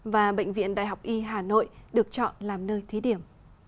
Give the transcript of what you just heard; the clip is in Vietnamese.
và bệnh viện đại học y hà nội được chọn làm nơi thí điểm